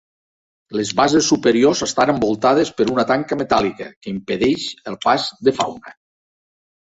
Les basses superiors estan envoltades per una tanca metàl·lica que impedeix el pas de fauna.